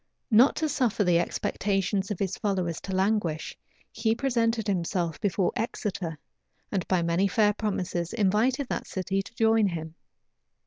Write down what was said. Not to suffer the expectations of his followers to languish, he presented himself before Exeter; and by many fair promises invited that city to join him.